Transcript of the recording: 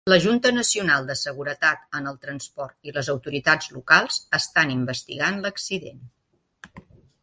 La Junta Nacional de Seguretat en el Transport i les autoritats locals estan investigant l'accident.